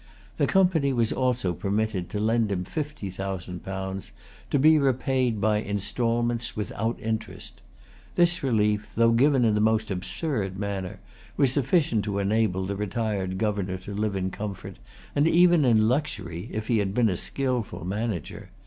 The Company was also permitted to lend him fifty thousand pounds, to be repaid by instalments without interest. This relief, though given in the most absurd manner, was sufficient to enable the retired governor to live in comfort, and even in luxury, if he had been a skilful manager.